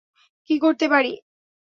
কী করতে পারি?